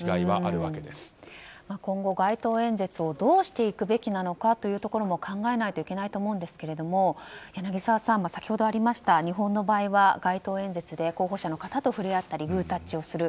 今後、街頭演説をどうしていくべきなのかというところも考えないといけないと思うんですが柳澤さん、先ほどありました日本の場合は街頭演説で候補者の方と触れ合ったりグータッチをする。